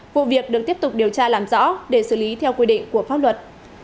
vụ việc được tiếp tục điều tra làm rõ để xử lý theo quy định của pháp luật